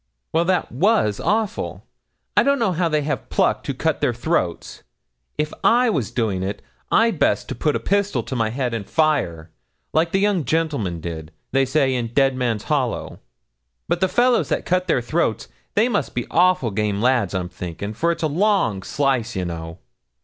'Well, that was awful! I don't know how they have pluck to cut their throats; if I was doing it, I'd like best to put a pistol to my head and fire, like the young gentleman did, they say, in Deadman's Hollow. But the fellows that cut their throats, they must be awful game lads, I'm thinkin', for it's a long slice, you know.'